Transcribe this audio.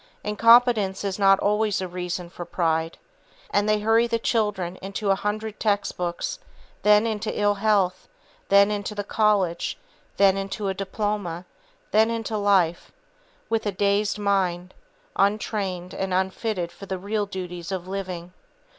Incompetence is not always a reason for pride. And they hurry the children into a hundred textbooks, then into ill health, then into the colleges, then into a diploma, then into life, with a dazed mind, untrained and unfitted for the real duties of living.